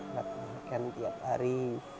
makan tiap hari